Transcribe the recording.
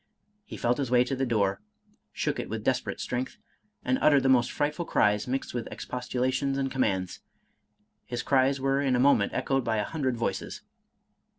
He felt his way to the door, shook it with desperate strength, and uttered the most frightful cries, mixed with expostulations and commands. His cries were in a moment echoed by a hundred voices.